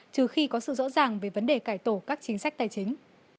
trừ khi có sự rõ ràng về vấn đề cải tổ các chính sách tài chính